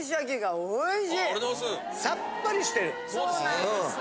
そうなんですよ。